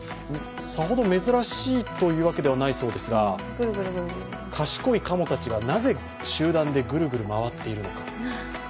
さほど珍しいというわけではないそうですが、賢いかもたちがなぜ集団でぐるぐる回っているのか。